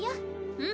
うん。